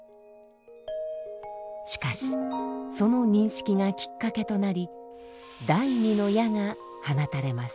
しかしその認識がきっかけとなり第２の矢が放たれます。